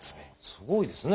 すごいですね。